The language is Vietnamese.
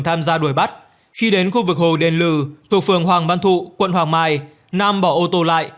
tham gia đuổi bắt khi đến khu vực hồ đền lừ thuộc phường hoàng văn thụ quận hoàng mai nam bỏ ô tô lại